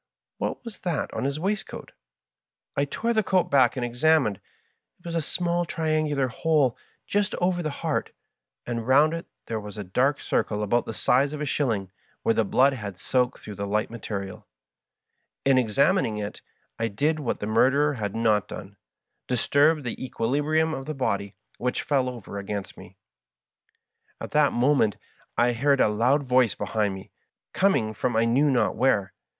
"What was that on his waistcoat ? I tore the coat back and examined : it was a small triangular hole just over the heart, and round it there was a dark circle about the size of a shilling, where the blood had soaked through the light material. In examining it I did what the murderer had not done — disturbed the equilibrium of the body, which fell over against me. Digitized by VjOOQIC 14:8 MY FASCINATING FRIEND. At that moment I heard a loud voice behind me, coming from I knew not where.